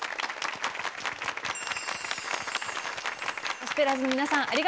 ゴスペラーズの皆さんありがとうございました。